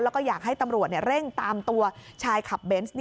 แล้วก็อยากให้ตำรวจเร่งตามตัวชายขับเบนส์